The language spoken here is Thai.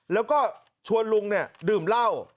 แล้วก็ชวนลุงดื่มเหล้า